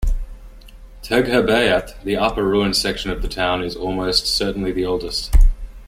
Tegherbeyat, the upper ruined section of the town, is almost certainly the oldest.